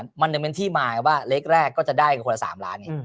อันดับนึงมันเป็นที่มายว่าเล็กก็จะได้คนละ๓ล้าน